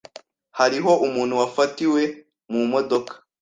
Hariho umuntu wafatiwe mumodoka.